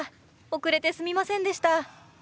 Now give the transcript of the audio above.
遅れてすみませんでした。